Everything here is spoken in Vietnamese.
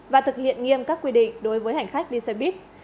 và thực hiện nghiêm các quy định đối với hành khách đi xe buýt